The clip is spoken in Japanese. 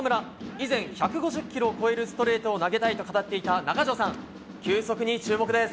以前、１５０キロを超えるストレートを投げたいと語っていた中条さん球速に注目です。